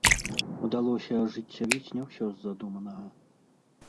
Удалося ажыццявіць не ўсё з задуманага.